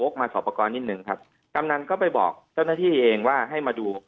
มาสอบประกอบนิดนึงครับกำนันก็ไปบอกเจ้าหน้าที่เองว่าให้มาดู